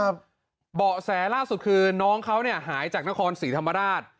เบาะแสล่าสุดคือน้องเขาเนี่ยหายจากนครศรีธรรมราช